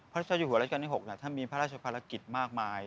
พระอยู่หัวรัชกรรมหกท่านมีพระราชภารกิจมากมาย